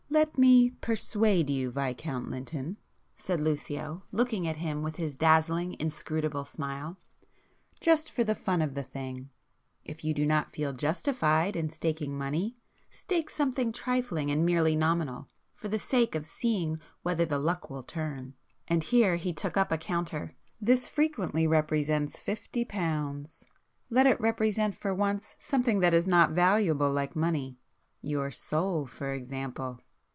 "Let me persuade you Viscount Lynton," said Lucio, looking at him with his dazzling inscrutable smile—"just for the fun of the thing! If you do not feel justified in staking money, stake something trifling and merely nominal, for the sake of seeing whether the luck will turn"—and here he took up a counter—"This frequently represents fifty pounds,—let it represent for once something that is not valuable like money,—your soul, for example!"